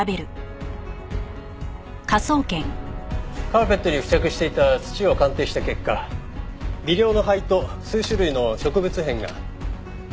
カーペットに付着していた土を鑑定した結果微量の灰と数種類の植物片が検出できました。